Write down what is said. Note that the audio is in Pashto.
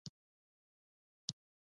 د ژوندۍ ساه څخه خالي ده، زما ساه بندیږې